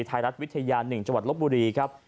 ไทยรัฐวิทยา๑จลบบุรีครับ